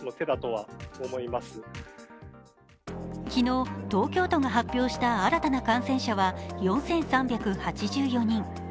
昨日東京都が発表した新たな感染者は４３８４人。